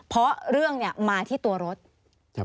เพราะเรื่องเนี่ยมาที่ตัวรถครับ